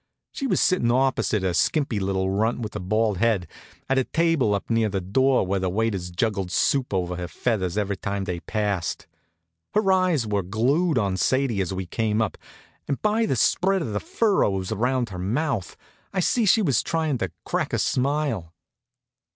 She was sitting opposite a skimpy little runt with a bald head, at a table up near the door where the waiters juggled soup over her feathers every time they passed. Her eyes were glued on Sadie as we came up, and by the spread of the furrows around her mouth I see she was tryin' to crack a smile.